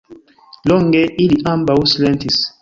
Longe ili ambaŭ silentis.